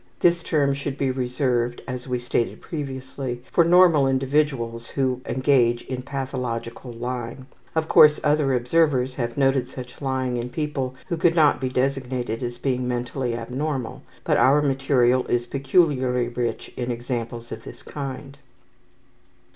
This term should be reserved, as we stated previously, for normal individuals who engage in pathological lying. Of course other observers have noted such lying in people who could not be designated as being mentally abnormal, but our material is peculiarly rich in examples of this kind.